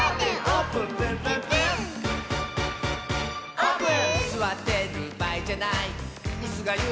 「オープン！」